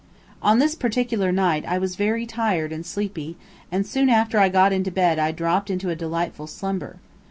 On this particular night I was very tired and sleepy, and soon after I got into bed I dropped into a delightful slumber.